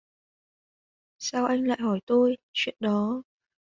Sao anh lại hỏi tôi, chuyện đó